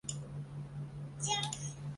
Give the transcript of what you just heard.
设有月台幕门。